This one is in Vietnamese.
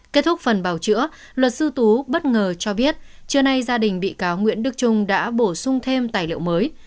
kết thúc phần bào chữa luật sư tú bất ngờ cho biết trưa nay gia đình bị cáo nguyễn đức trung đã bổ sung thêm tài liệu mới